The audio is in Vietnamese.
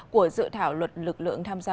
của dự thảo luật lực lượng tham gia